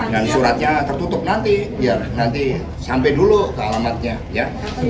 dan suratnya tertutup nanti biar nanti sampai dulu ke alamatnya